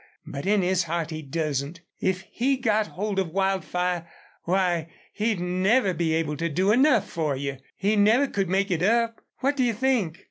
But in his heart he doesn't. If he got hold of Wildfire why, he'd never be able to do enough for you. He never could make it up. What do you think?